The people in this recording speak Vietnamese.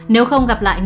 nếu không gặp lại người